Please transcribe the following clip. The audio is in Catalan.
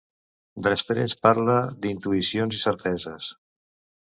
Després parla d'intuïcions i certeses.